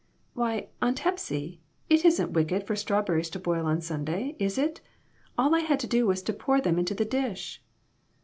"Why, Aunt Hepsy, it isn't wicked for straw berries to boil on Sunday, is it ? All I had to do was to pour them into the dish."